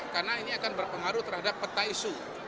karena ini akan berpengaruh terhadap peta isu